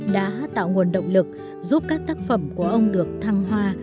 đã tạo nguồn động lực giúp các tác phẩm của ông được thăng hoa